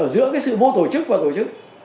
giữa sự vô tổ chức và tổ chức